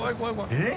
えっ？